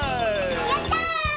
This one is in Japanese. やった！